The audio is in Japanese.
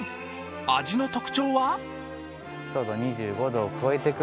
味の特徴は？